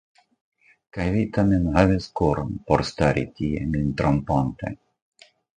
Kaj vi tamen havis koron por stari tie min trompante.